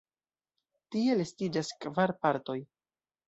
Tiel estiĝas kvar partoj.